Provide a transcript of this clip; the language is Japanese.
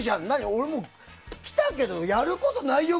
俺、来たけどやることないよ？